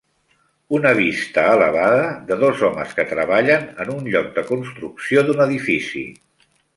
Una vista elevada de dos homes que treballen en un lloc de construcció d'un edifici.